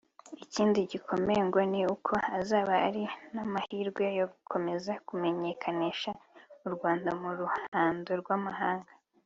Ikindi gikomeye ngo ni uko azaba ari n’amahirwe yo gukomeza kumenyekanisha u Rwanda mu ruhando rw’amahanga